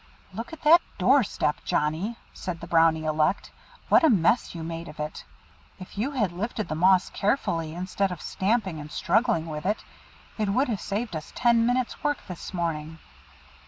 "Look at that door step, Johnnie," said the Brownie elect, "what a mess you made of it! If you had lifted the moss carefully, instead of stamping and struggling with it, it would have saved us ten minutes' work this morning."